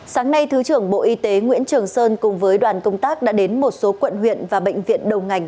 sáng nay thứ trưởng bộ y tế nguyễn trường sơn cùng với đoàn công tác đã đến một số quận huyện và bệnh viện đầu ngành